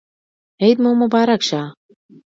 عید مو مبارک شه